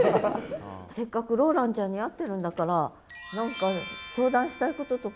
せっかくローランちゃんに会ってるんだから何か相談したいこととか。